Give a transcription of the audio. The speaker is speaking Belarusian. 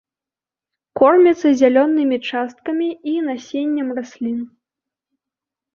Корміцца зялёнымі часткамі і насеннем раслін.